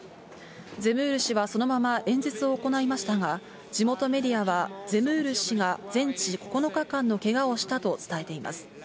ゼムール氏はそのまま演説を行いましたが、地元メディアは、ゼムール氏が全治９日間のけがをしたと伝えています。